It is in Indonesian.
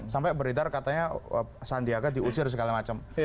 sampai beredar katanya sandiaga diusir segala macam